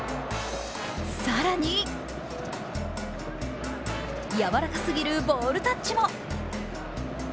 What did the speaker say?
更に、やわらかすぎるボールタッチも。